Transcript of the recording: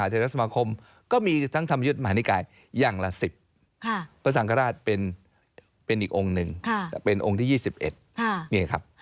แต่เป็นองค์ที่๒๑นี่ครับ